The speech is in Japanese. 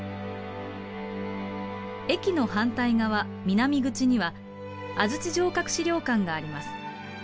駅の反対側南口には安土城郭史料館があります。